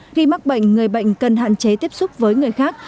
khi mắc bệnh người bệnh cần hạn chế tiếp xúc với người khác